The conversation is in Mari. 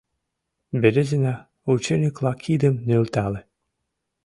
Березина ученикла кидым нӧлтале.